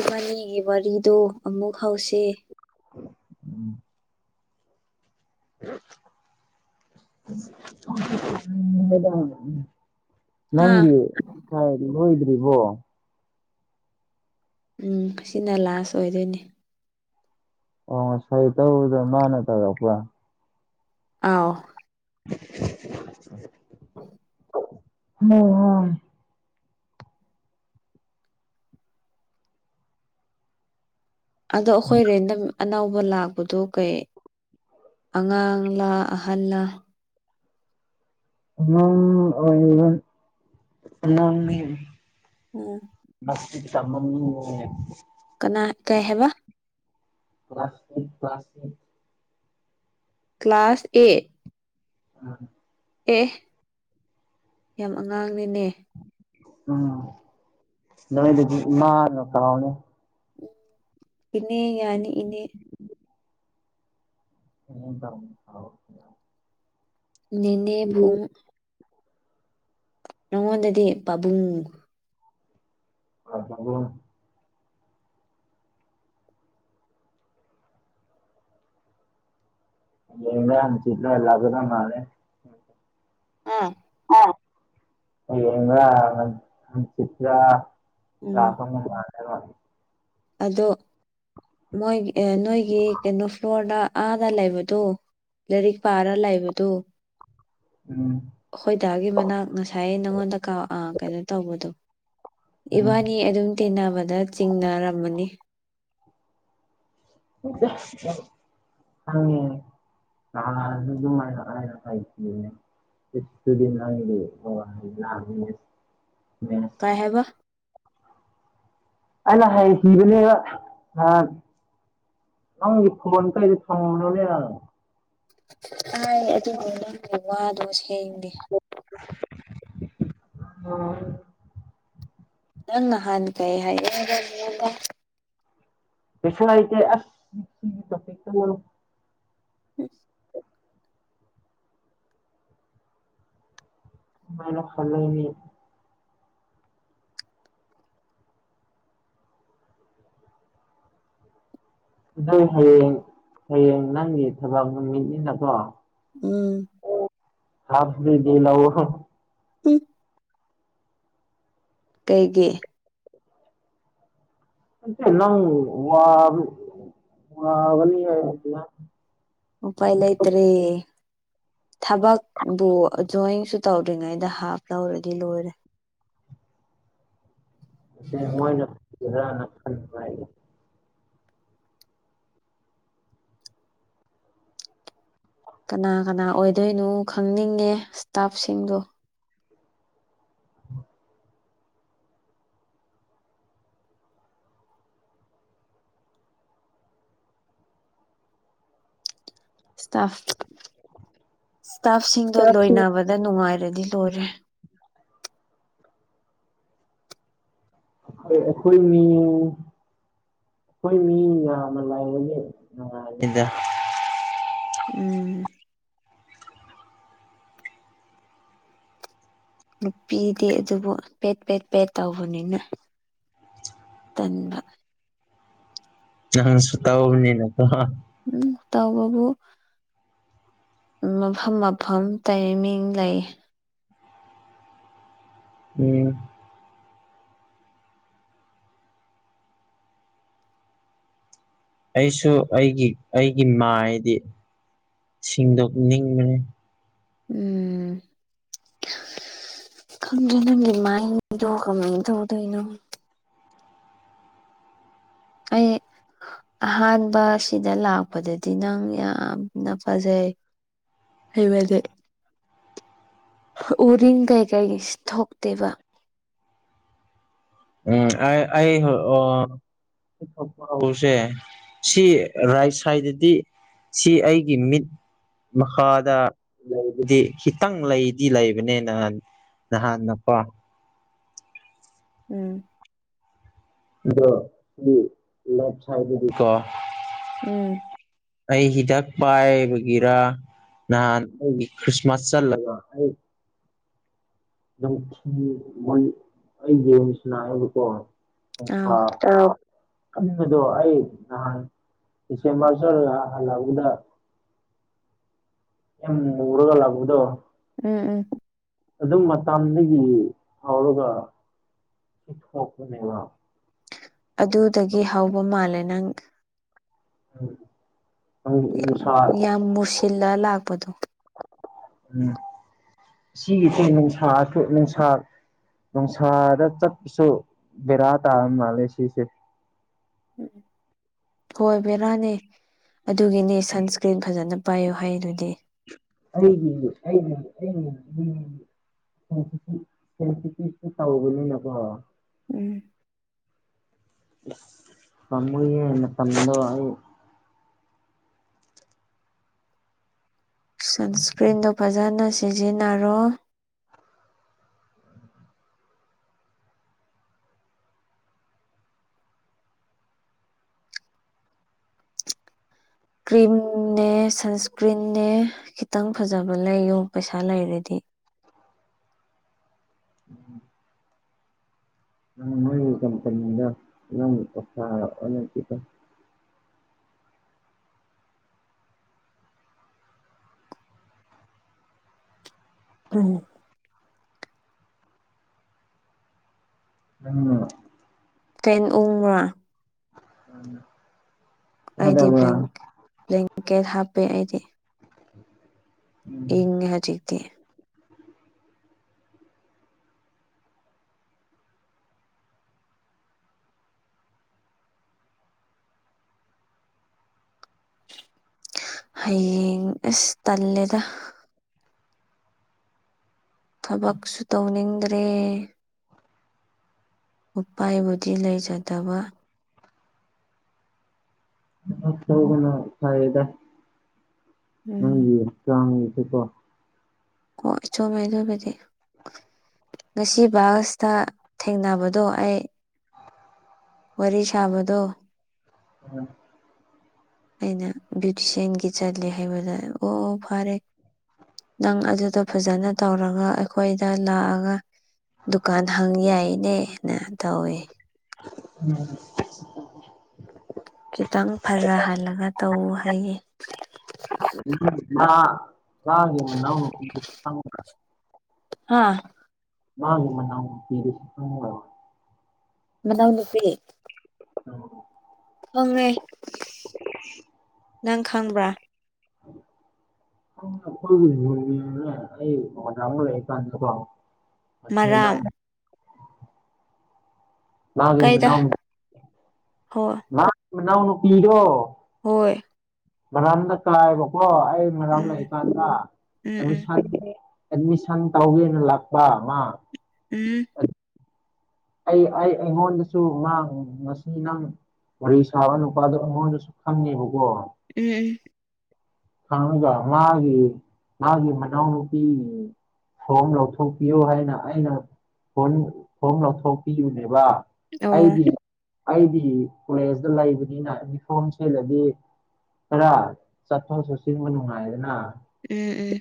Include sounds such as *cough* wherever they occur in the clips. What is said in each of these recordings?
ꯏꯕꯥꯅꯤꯒꯤ ꯋꯥꯔꯤꯗꯣ ꯑꯃꯨꯛ ꯍꯧꯁ ꯎꯝ *inaudible* ꯍꯥꯥ ꯅꯪꯒꯤ ꯍꯣꯏꯗ꯭ꯔꯤ ꯎꯝ ꯁꯤꯅ ꯂꯥꯁ ꯑꯣꯏꯗꯣꯏꯅꯦ ꯑꯣ ꯁꯔꯤ ꯇꯧꯗ ꯃꯥꯅ ꯇꯗꯄ ꯑꯥꯎ ꯍ ꯍ ꯑꯗꯣ ꯑꯩꯈꯣꯏ ꯔꯦꯟꯗꯝ ꯑꯅꯧꯕ ꯂꯥꯛꯄꯗꯣ ꯀꯩ ꯑꯉꯥꯡꯂꯥ ꯑꯍꯜꯂꯥ ꯑꯪ ꯑꯣꯏ ꯑꯪ ꯎꯝ ꯇꯃꯅꯤ ꯀꯅꯥ ꯀꯩ ꯍꯦꯋꯥ ꯄ꯭ꯂꯥꯁꯃꯤ ꯄ꯭ꯂꯥꯁꯃꯤꯛ ꯀ꯭ꯂꯥꯁ ꯑꯦꯠ ꯎ ꯑꯦ ꯌꯥꯝ ꯑꯉꯥꯡꯅꯅꯦ ꯎꯝ ꯅ ꯃꯥ ꯀꯅꯦ ꯏꯅꯦ ꯌꯥꯅꯤ ꯏꯅꯦ ꯍ ꯇ ꯅꯅꯦꯦ ꯐ ꯅꯉꯣꯟꯗꯗꯤ ꯄꯥꯕꯨꯡ ꯑ ꯑ ꯑꯟꯆꯤꯂ ꯑꯦꯒ ꯊꯉꯅꯦꯦ ꯑꯥ ꯌꯦ ꯆꯠꯇꯥ ꯎꯝ ꯔꯥꯁ ꯀ ꯑꯗꯣ ꯃꯣꯏ ꯅꯣꯏꯒꯤ ꯀꯩꯅꯣ ꯐ꯭ꯂꯣꯔꯗ ꯑꯥꯗ ꯂꯩꯕꯗꯨ ꯂꯥꯏꯔꯤꯛ ꯄꯥꯔ ꯂꯩꯕꯗꯨꯣ ꯎꯝ ꯍꯣꯏꯗꯥꯒꯤ ꯃꯅꯥꯛ ꯉꯁꯥꯏ ꯅꯪꯉꯣꯟꯗ ꯀ ꯀꯩꯅꯣ ꯇꯧꯕꯗꯣ ꯎꯝ ꯏꯕꯥꯅꯤ ꯑꯗꯨꯝ ꯇꯤꯟꯅꯕꯗ ꯆꯤꯡꯅꯔꯝꯕꯅꯤ ꯑ ꯂꯔ ꯑꯗꯨꯨꯝ ꯃ ꯀꯥꯏꯦ ꯁꯨꯗꯤ ꯀꯥꯏ ꯍꯥꯏꯦꯕ ꯑ ꯍꯥꯏꯕꯅꯦꯕ ꯑ ꯅꯪꯒꯤ ꯐꯃꯣꯟ ꯇꯗꯤ ꯊꯅꯅꯦ ꯍꯥꯏꯥꯏ ꯑꯗꯨꯕꯨ ꯅ ꯋꯥꯗꯣ ꯍꯦꯡꯗꯤ ꯑꯣ ꯅꯪ ꯅꯍꯥꯟ ꯀꯩ ꯍꯥꯏꯔ ꯄꯦꯁꯅꯥꯏ ꯍꯣꯏ ꯥꯏꯅ ꯐꯂꯅꯤ ꯑꯗꯨꯏ ꯍꯌꯦꯡ ꯍꯌꯦꯡ ꯅꯪꯒꯤ ꯊꯕꯛ ꯅꯨꯃꯤꯠꯅꯤꯅꯀꯣ ꯎꯝ ꯍꯥꯞ ꯂꯑꯣ ꯎꯝ ꯀꯩꯒꯤ ꯃꯠꯇꯦ ꯅꯪ ꯋꯥꯅꯤ ꯎꯄꯥ ꯏꯂ ꯑꯇꯔꯤ ꯊꯕꯛꯄꯕꯨꯖꯣꯏꯟꯁꯨ ꯇꯧꯗ꯭ꯔꯤꯉꯩꯗ ꯍꯥꯞ ꯂꯧꯔꯗꯤ ꯂꯣꯏꯔꯦ ꯃꯣꯏꯅ ꯈꯔꯅ ꯈꯟꯅꯨꯡꯉꯥꯏ ꯀꯅꯥ ꯀꯅꯥ ꯑꯣꯏꯗꯣꯏꯅꯣ ꯈꯪꯅꯤꯡꯉꯦ ꯏꯁꯇꯥꯞꯁꯤꯡꯗꯣ ꯇꯥ ꯏꯁꯇꯥꯐꯁꯤꯡꯗꯣ ꯂꯣꯏꯅꯕꯗ ꯅꯨꯡꯉꯥꯏꯔ ꯗꯤ ꯂꯣꯏꯔꯦ ꯑꯩꯈꯣꯏ ꯑꯩꯈꯣꯏ ꯃꯤ ꯍꯣꯏ ꯃꯤ ꯃꯅꯤ ꯎꯝ ꯅꯨꯄꯤꯗꯤ ꯑꯗꯨꯕꯨ ꯄꯦꯠ ꯄꯦꯠ ꯄꯦꯠ ꯇꯧꯕꯅꯤꯅ ꯇꯟꯕ ꯅ ꯁꯛꯇ ꯍꯅꯤꯅ ꯎꯝ ꯇꯎꯕꯕꯨ ꯃꯐꯝ ꯃꯐꯝ ꯇꯥꯏꯃꯤꯡ ꯂꯩ ꯎꯝ ꯑꯩꯁꯨ ꯑꯩꯒꯤ ꯑꯩꯒꯤ ꯃꯥꯏꯗꯤ ꯁꯤꯡꯗꯣ ꯅꯤꯡ ꯃ ꯎꯝ ꯅꯒꯤꯃꯥꯏꯗ ꯀꯃꯊꯧꯗꯩꯅꯣ ꯑꯩ ꯑꯍꯥꯟꯕ ꯁꯤꯗ ꯂꯥꯛꯄꯗꯗꯤ ꯅꯪ ꯌꯥꯝꯅ ꯐꯖꯩ ꯍꯩꯋꯗꯦ ꯎꯔꯤꯡ ꯀꯩ ꯀꯔꯤꯁ ꯊꯣꯛꯇꯕ ꯎꯝ ꯑꯩ ꯑꯣ ꯊꯣꯛꯄ ꯍꯧꯁꯦ ꯁꯤ ꯔꯥꯏꯠ ꯁꯥꯏꯗꯗꯤ ꯁꯤ ꯑꯩꯒꯤ ꯃꯤꯠ ꯃꯈꯥꯗ ꯂꯩꯕꯗꯤ ꯈꯤꯇꯪ ꯂꯩꯗꯤ ꯂꯩꯕꯅꯤꯅ ꯅꯍꯥꯟꯅꯄꯥ *inaudible* ꯎꯝ ꯂꯞꯁꯥꯏꯗꯤꯀꯣ ꯎꯝ ꯑꯩ ꯍꯤꯗꯥꯛ ꯄꯥꯏꯕꯒꯦꯔꯥ ꯅꯍꯥꯟ ꯑꯩ ꯈ꯭ꯔꯤꯁꯃꯥꯁ ꯆꯜꯂ ꯑꯩ ꯌꯦꯁꯤꯅꯥ ꯍꯥꯏꯕꯀꯣ ꯑꯥꯎ ꯁꯥꯅꯤꯡꯕꯗꯣ ꯑꯩ ꯅꯍꯥꯟ ꯄꯦ ꯃꯥꯁ ꯍꯂ ꯎꯗ ꯑꯦꯝ ꯎꯔꯒꯥ ꯂꯥꯛꯨꯗꯣ ꯎꯝ ꯎꯝ ꯑꯗꯨꯝ ꯃꯇꯝꯗꯒꯤ ꯍꯧꯥꯎꯔꯒ ꯁꯤ ꯍꯅꯦꯕ ꯑꯗꯨꯗꯒꯤ ꯍꯥꯎꯕ ꯃꯥꯜꯂꯦ ꯅꯪ ꯎꯝ ꯌꯥꯝ ꯃꯨꯁꯤꯜꯂ ꯂꯥꯛꯄꯗꯣ ꯎꯝ ꯁꯤꯒꯤꯆ ꯅꯨꯡꯁꯥꯊ ꯅꯨꯡꯁꯥ ꯅꯨꯡꯁꯥꯗ ꯆꯠꯄꯁꯨ ꯕꯦꯔꯥ ꯇꯥꯔ ꯃꯥꯜꯂꯦ ꯁꯤꯁꯦ ꯎꯝ ꯍꯣꯏ ꯕꯦꯔꯥꯅꯦ ꯑꯗꯨꯒꯤꯅꯦ ꯁꯟꯁꯀ꯭ꯔꯤꯟ ꯐꯖꯅ ꯄꯥꯏꯌꯣ ꯍꯥꯏ ꯑꯗꯨꯗꯤ ꯑꯩꯒꯤ ꯎꯝ ꯁꯤ ꯁꯦꯁꯤ ꯆꯥꯎꯕꯒ ꯅꯀꯣ ꯎꯝ ꯐꯃꯨꯦ ꯁꯗ ꯁꯟꯁꯀ꯭ꯔꯤꯟꯗꯣ ꯐꯖꯅ ꯁꯤꯖꯤꯟꯅꯔꯣ ꯀ꯭ꯔꯤꯝꯅꯦ ꯁꯟꯁꯀ꯭ꯔꯤꯟꯅꯦ ꯈꯤꯇꯪ ꯐꯖꯕ ꯂꯩꯌꯣ ꯄꯩꯁꯥ ꯂꯩꯔꯗꯤ *inaudible* ꯎꯝ ꯃꯒꯤ ꯀꯝꯄꯅꯤꯗ ꯅꯪ ꯄꯁꯤ ꯎ ꯎꯝ ꯐꯦꯟ ꯎꯕꯥ ꯎ ꯑꯩꯗꯤ ꯕ꯭ꯂꯦꯡꯀꯦꯠ ꯍꯥꯞꯄꯦ ꯑꯩꯗꯤ *inaudible* ꯏ ꯎꯝ ꯌ ꯆꯈꯇꯦ ꯍꯌꯦ ꯇꯂꯦꯗ ꯊꯕꯛꯁꯨ ꯇꯧꯅꯤꯡꯗ꯭ꯔꯦ ꯎꯄꯥꯏꯕꯨꯗꯤ ꯂꯩꯖꯗꯕ ꯀꯅ ꯐꯗ ꯅꯪ ꯎꯝ ꯆꯥꯡ ꯑꯗꯨꯒꯀꯣ ꯑꯣ ꯆꯨꯝꯃꯦ ꯑꯗꯨ ꯑꯣꯏꯕꯗꯤ ꯉꯁꯤ ꯕꯥꯁꯇ ꯊꯦꯡꯅꯕꯗꯣ ꯑꯩ ꯋꯥꯔꯤ ꯁꯥꯕꯗꯣ ꯎꯝ ꯑꯩꯅ ꯕ꯭ꯌꯨꯇꯤꯁꯤꯌꯥꯟꯒꯤ ꯆꯠꯂꯦ ꯍꯥꯏꯕꯗ ꯑꯣ ꯑꯣ ꯐꯔꯦ ꯅꯪ ꯑꯗꯨꯗꯣ ꯐꯖꯅ ꯇꯧꯔꯒ ꯑꯩꯈꯣꯏꯗ ꯂꯥꯛꯑꯒ ꯗꯨꯀꯥꯟ ꯍꯪ ꯌꯥꯏꯅꯦꯅ ꯇꯧꯋꯦ ꯎꯝ ꯈꯤꯇꯪ ꯐꯖꯍꯜꯂꯒ ꯇꯧꯎ ꯍꯥꯏꯌꯦ ꯂꯒꯦ ꯍꯥꯥ ꯃꯥꯒꯤ ꯃꯅꯥ ꯄꯤꯔꯁ ꯃꯅꯥꯎ ꯅꯨꯨꯄꯤ ꯑꯉꯃꯦ ꯅꯪ ꯈꯪꯕ꯭ꯔꯥ ꯑꯩ ꯀꯥꯟ ꯃꯁꯅꯥ ꯃꯔꯥꯝ ꯃꯥꯒꯤ ꯀꯩꯗ ꯃꯅꯥꯎ ꯍꯣ ꯃꯥ ꯃꯅꯥꯎꯅꯄꯤꯔꯣ ꯍꯣꯏ ꯃꯔꯥꯝꯅ ꯀꯥꯏꯕꯀꯣ ꯑꯩ ꯃꯔꯥꯝ ꯎꯝ ꯂꯩꯀꯥꯟꯗ ꯎꯝ ꯎꯝ ꯑꯦꯠꯃꯤꯁꯟ ꯇꯧꯒꯦꯅ ꯂꯥꯛꯄ ꯑꯃ ꯎꯝ ꯑꯩ ꯑꯩ ꯑꯩꯉꯣꯟꯗꯁꯨ ꯉ ꯉꯁꯤ ꯅꯪ ꯋꯥꯔꯤ ꯁꯥꯕ ꯅꯨꯄꯥꯗ ꯃꯣꯏꯅꯁꯨ ꯈꯪꯉꯦꯕꯀꯣ ꯎꯝ ꯎꯝ ꯈꯉꯒ ꯃꯥꯒꯤ ꯃꯥꯒꯤ ꯃꯅꯥꯎꯅꯨꯄꯤ ꯐꯣꯝ ꯂꯧꯊꯣꯛꯄꯤꯌꯨ ꯍꯥꯏꯅ ꯑꯩꯅ ꯐꯣꯟ ꯐꯣꯝ ꯂꯧꯊꯣꯛꯄꯤꯌꯨꯅꯦꯕ ꯑꯣ ꯑꯩꯗꯤ ꯑꯩꯗꯤ ꯀꯣꯂꯦꯖꯇ ꯂꯩꯕꯅꯤꯅ ꯌꯅꯤꯐꯣꯝ ꯁꯦꯜꯂꯗꯤ ꯈꯔ ꯑꯥꯎ ꯁꯆꯁꯤꯡꯕ ꯅꯨꯡꯉꯥꯏꯌꯦꯗꯅ ꯎꯝ ꯎꯝ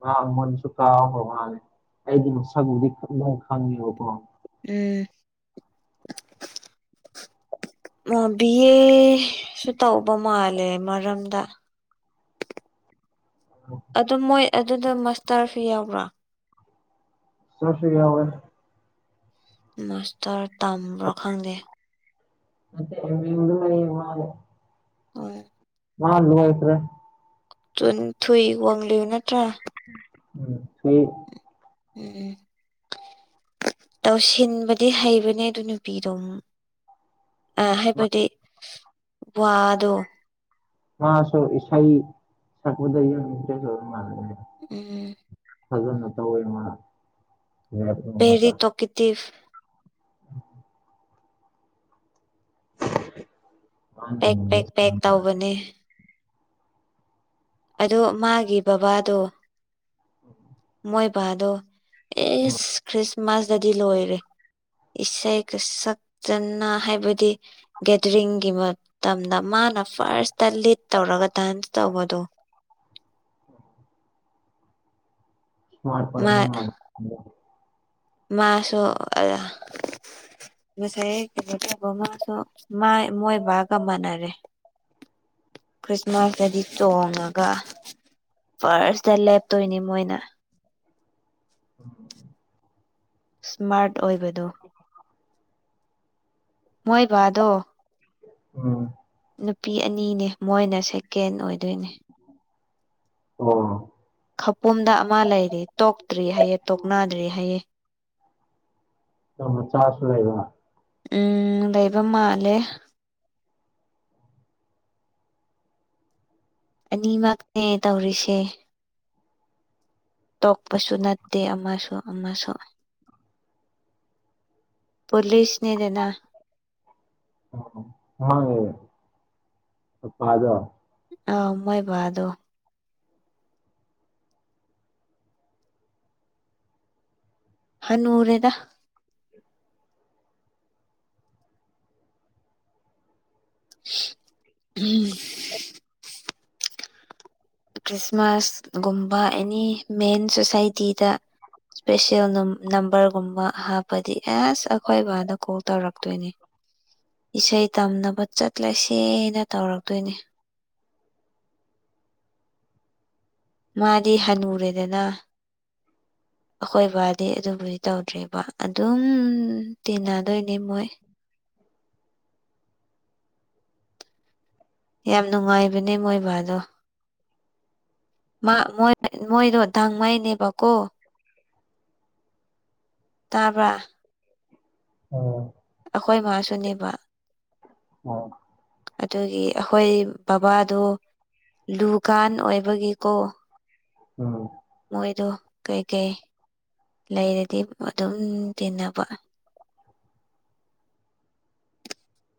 ꯃꯥ ꯃꯟꯁꯨ ꯀꯥꯎꯈ꯭ꯔ ꯃꯥꯂꯦ ꯑꯩꯗꯤ ꯃꯁꯛꯕꯨꯗꯤꯪ ꯈꯪꯉꯦꯕꯀꯣ ꯎꯝ ꯕꯤ ꯑꯦꯁꯨ ꯇꯧꯕ ꯃꯥꯜꯂꯦ ꯃꯔꯝꯗ ꯑꯗꯨꯝ ꯃꯣꯏ ꯑꯗꯨꯗ ꯃꯁꯇꯔ ꯐꯤ ꯌꯥꯎꯕ꯭ꯔꯥ ꯆꯁꯤ ꯀꯌꯥ ꯑꯣꯏꯣꯏ ꯃꯥꯁꯇꯔ ꯇꯝꯕ꯭ꯔꯣ ꯈꯪꯗꯦ ꯃꯦ ꯃꯗ ꯃꯅꯤ ꯃꯥꯂꯦ ꯍꯣꯏ ꯃꯥ ꯂꯒꯁꯔꯦ ꯇ ꯊꯨꯏ ꯋꯥꯡꯂꯤꯅ ꯎꯝ ꯁꯣꯏ ꯎꯝ ꯇꯧꯁꯤꯟꯕꯗꯤ ꯍꯩꯕꯅꯦ ꯑꯗꯨ ꯅꯨꯄꯤꯗꯣ ꯑꯃꯨꯛ ꯑ ꯍꯥꯏꯕꯗꯤ ꯋꯥꯗꯣ ꯃꯥ ꯁꯣ ꯏꯁꯥꯏ ꯁꯛꯗ ꯃꯥ ꯎꯝ ꯐꯖꯅ ꯇꯧꯋꯦ ꯃꯥꯅꯦ ꯚꯦꯔꯤ ꯇꯣꯀꯤꯇꯤꯞ ꯃꯥꯅꯦ ꯄꯦꯛ ꯄꯦꯛ ꯄꯦꯛ ꯇꯧꯕꯅꯦ ꯑꯗꯣ ꯃꯥꯒꯤ ꯕꯕꯥꯗꯣ ꯎꯝ ꯍꯣꯏ ꯗꯣ ꯑꯦ ꯈ꯭ꯔꯤꯁꯃꯥꯁꯇꯗꯤ ꯂꯣꯏꯔꯦ ꯏꯁꯩꯒ ꯁꯛꯆꯅ ꯍꯥꯏꯕꯗꯤ ꯒꯦꯗꯔꯤꯡꯒꯤ ꯃꯇꯝꯗ ꯃꯥ ꯃꯥꯅ ꯐꯥꯔꯁꯇ ꯂꯤꯠ ꯇꯧꯔꯒ ꯗꯥꯟꯁ ꯇꯧꯕꯗꯣ ꯎꯝ ꯁꯃꯔ ꯐ ꯃꯥ ꯃꯥꯁꯨ ꯑ ꯉꯁꯥꯏ ꯀꯩꯅꯣ ꯇꯧꯕ ꯃꯥꯁꯨ ꯃꯣꯏ ꯕꯥꯒ ꯃꯥꯟꯅꯔꯦ ꯈ꯭ꯔꯤꯁꯃꯥꯁꯇꯗꯤ ꯇꯣꯡꯉꯒ ꯐꯥꯔꯁꯇ ꯂꯦꯞꯇꯣꯏꯅꯤ ꯃꯣꯏꯅ ꯎꯝ ꯏꯁ꯭ꯃꯥꯔꯠ ꯑꯣꯏꯕꯗꯣ ꯃꯣꯏꯕꯥꯗꯣ ꯎꯝ ꯅꯨꯄꯤ ꯑꯅꯤꯅꯦ ꯃꯣꯏꯅ ꯁꯦꯀꯦꯟ ꯑꯣꯏꯗꯣꯏꯅꯦ ꯑꯣ ꯈꯄꯨꯝꯗ ꯑꯃ ꯂꯩꯔꯤ ꯇꯣꯛꯇ꯭ꯔꯤ ꯍꯥꯏꯌꯦ ꯇꯣꯛꯅꯗ꯭ꯔꯤ ꯍꯥꯏꯌꯦ ꯆꯥꯁꯨ ꯂꯩꯕ ꯎꯝ ꯂꯩꯕ ꯃꯥꯜꯂꯦ ꯑꯅꯤꯃꯛꯅꯦ ꯇꯧꯔꯤꯁꯦ ꯇꯣꯛꯄꯁꯨ ꯅꯠꯇꯦ ꯑꯃꯁꯨ ꯑꯃꯁꯨ ꯄꯨꯂꯤꯁ ꯅꯗꯅ ꯑ ꯄꯥꯗ ꯑ ꯎꯃꯥꯏꯕ ꯑꯗꯨꯣ ꯍꯅꯉꯔꯦꯗ ꯎꯝ ꯈ꯭ꯔꯤꯁꯃꯥꯁꯒꯨꯝꯕ ꯑꯦꯅꯤ ꯃꯦꯟ ꯁꯣꯁꯥꯏꯇꯤꯗ ꯏꯁꯄꯦꯁꯦꯜ ꯅꯝꯕꯔꯒꯨꯝꯕ ꯍꯥꯞꯄꯗꯤ ꯑꯁ ꯑꯩꯈꯣꯏ ꯕꯥꯅ ꯀꯣꯜ ꯇꯧꯔꯛꯇꯣꯏꯅꯦ ꯏꯁꯩ ꯇꯝꯅꯕ ꯆꯠꯂꯁꯦꯅ ꯇꯧꯔꯛꯇꯣꯏꯅꯦ ꯃꯥꯗꯤ ꯍꯟꯅꯨꯔꯦꯗꯅ ꯑꯩꯈꯣꯏꯕꯗꯤ ꯑꯗꯨꯕꯨꯗꯤ ꯇꯧꯗ꯭ꯦꯕ ꯑꯗꯨꯝ ꯇ ꯅꯗꯣꯏꯅꯤ ꯃꯣꯏ ꯌꯥꯝ ꯅꯨꯡꯉꯥꯏꯕꯅꯦ ꯃꯣꯏꯕꯥꯗꯣ ꯃꯣꯏꯔꯣ ꯗꯥꯥꯡꯃꯩꯅꯦꯚ ꯇꯥꯕ ꯑꯣ ꯑꯈꯣꯏ ꯃꯥꯁꯨꯅꯦꯕ ꯑꯣ ꯑꯗꯨꯒꯤ ꯑꯈꯣꯏ ꯕꯕꯥꯗꯣ ꯂꯨꯒꯥꯟ ꯑꯣꯏꯕꯒꯤꯀꯣ ꯎꯝ ꯃꯣꯏꯗꯣ ꯀꯩꯀꯩ ꯂꯩꯔꯗꯤ ꯑꯗꯨꯝ ꯇꯤꯟꯅꯕ *unintelligible*